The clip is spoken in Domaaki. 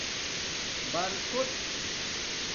برکوت